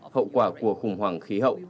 hậu quả của khủng hoảng khí hậu